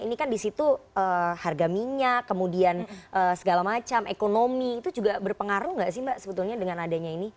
ini kan di situ harga minyak kemudian segala macam ekonomi itu juga berpengaruh nggak sih mbak sebetulnya dengan adanya ini